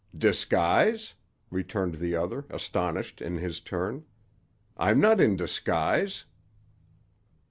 "Disguise?" returned the other, astonished in his turn. "I'm not in disguise."